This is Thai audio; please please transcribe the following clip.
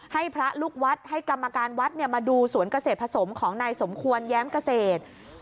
ให้พระลูกวัดให้กรรมการวัดมาดูสวนเกษตรผสมของนายสมควรแย้มเกษตร